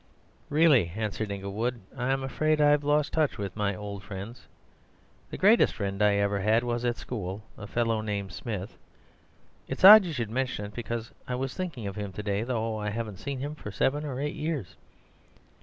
"Really," answered Inglewood, "I'm afraid I've lost touch with my old friends. The greatest friend I ever had was at school, a fellow named Smith. It's odd you should mention it, because I was thinking of him to day, though I haven't seen him for seven or eight years.